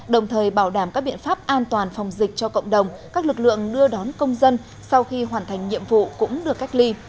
đồng thời bảo đảm các biện pháp an toàn phòng dịch cho cộng đồng các lực lượng đưa đón công dân sau khi hoàn thành nhiệm vụ cũng được cách ly